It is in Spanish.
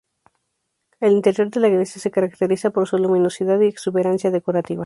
El interior de la iglesia se caracteriza por su luminosidad y exuberancia decorativa.